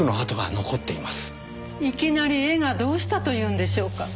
いきなり絵がどうしたというんでしょうか？